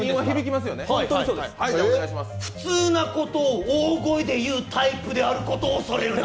普通なことを大声で言うタイプであることを恐れるな！